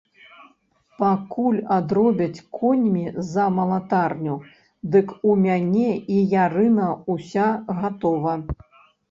Пакуль адробяць коньмі за малатарню, дык у мяне і ярына ўся гатова.